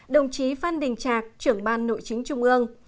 đồng chí phan đình trạc trưởng ban nội chính trung ương